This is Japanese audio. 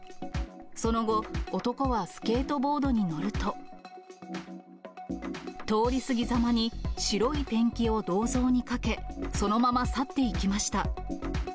その後、男はスケートボードに乗ると、通り過ぎざまに、白いペンキを銅像にかけ、そのまま去っていきました。